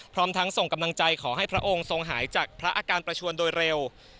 พร้อมทั้งส่งกำลังใจขอให้พระองค์ทรงหายจากพระอาการประชวนโดยเร็ว